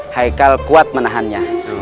haikal kuat menahannya